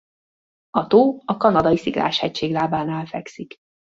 A tó a kanadai Sziklás-hegység lábánál fekszik.